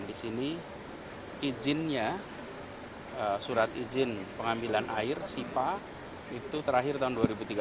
di sini izinnya surat izin pengambilan air sipa itu terakhir tahun dua ribu tiga belas